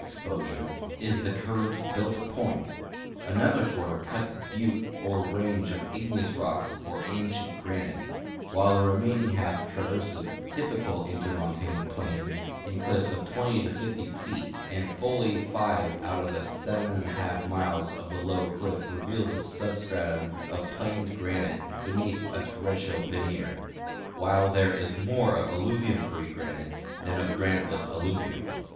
xposure is the current built point, another (piarter cuts butte or range of igneous rock or ancient granite, while the remain ing half traverses typical intermontane plain in clilfs of 20 to 50 128 SEEILAND feet, and fully 5 out of the 7 J miles of the low eliff reveal the sub stratum of planed granite beneath a torrential veneer, while there is more of alluvium free granite than of graniteless alluvium.